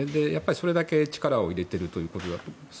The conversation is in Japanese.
それだけ力を入れているということだと思います。